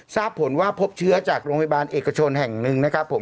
ทราบผลว่าพบเชื้อจากโรงพยาบาลเอกชนแห่งหนึ่งนะครับผม